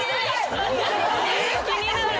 気になる。